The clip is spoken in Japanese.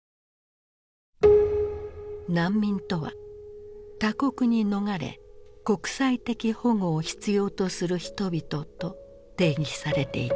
難民とは「他国に逃れ国際的保護を必要とする人々」と定義されていた。